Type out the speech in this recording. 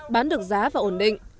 bán được giá và ổn định